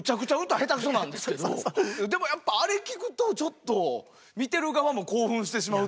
でもやっぱあれ聴くとちょっと見てる側も興奮してしまうという。